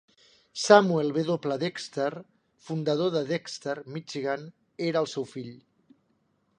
Samuel W. Dexter, fundador de Dexter, Michigan, era el seu fill.